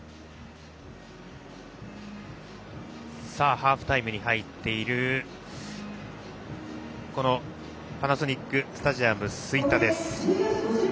ハーフタイムに入っているパナソニックスタジアム吹田です。